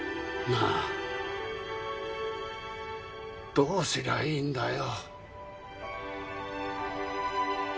どうすりゃいいんだよ？